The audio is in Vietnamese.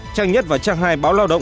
trang một và trang hai báo lao động